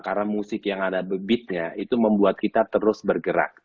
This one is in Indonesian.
karena musik yang ada beatsnya itu membuat kita terus bergerak